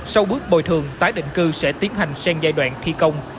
sau bước bồi thường tái định cư sẽ tiến hành sang giai đoạn thi công